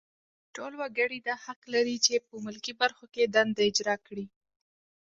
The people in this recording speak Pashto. ټول وګړي دا حق لري چې په ملکي برخو کې دنده اجرا کړي.